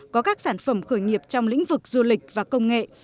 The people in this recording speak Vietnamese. có các sản phẩm khởi nghiệp trong lĩnh vực du lịch và công nghệ